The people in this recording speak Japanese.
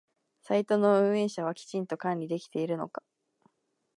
サイトの運営者はきちんと管理できているのか？